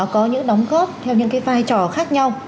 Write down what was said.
có những đóng góp theo những cái vai trò khác nhau